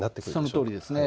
そのとおりです。